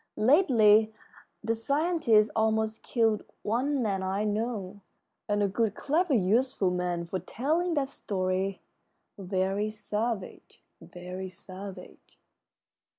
Lately the scientists almost killed one man I know, and a good, clever, useful man, for telling that story very savage, very savage."